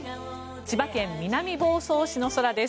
千葉県南房総市の空です。